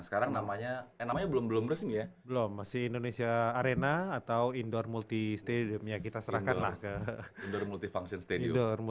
sekarang namanya eh namanya belum belum resmi ya belum masih indonesia arena atau indoor multi stadium ya kita serahkan lah ke indoor multi function stadium